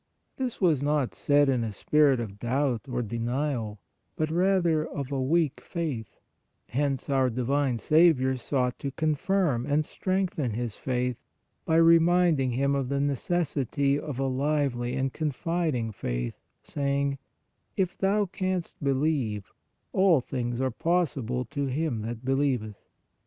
This was not said in a spirit of doubt or denial, but rather of a weak faith, hence our divine Saviour sought to confirm and strengthen his faith, by reminding him of the neces sity of a lively and confiding faith, saying: " If thou canst believe, all things are possible to him that be lieveth."